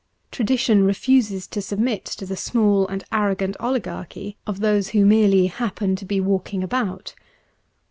Tradition refuses to submit to the small and arrogant oligarchy of those who merely happen to be walking 174 about.